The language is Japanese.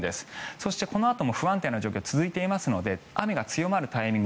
そして、このあとも不安定な状況は続いていますので雨が強まるタイミング